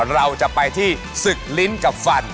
เราจะไปที่ศึกลิ้นกับฟัน